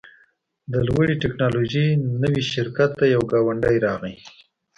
د لوړې ټیکنالوژۍ نوي شرکت ته یو ګاونډی راغی